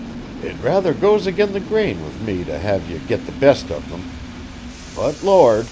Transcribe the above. It rather goes agin the grain with me t' have ye git the best of them. But Lord!